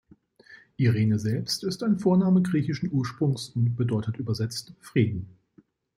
Irene selbst ist ein Vorname griechischen Ursprungs und bedeutet übersetzt „Frieden“.